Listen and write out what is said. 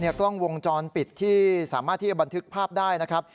กล้องวงจรปิดที่สามารถที่จะบันทึกภาพได้นะครับ